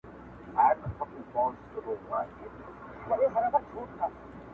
يار ژوند او هغه سره خنـديږي.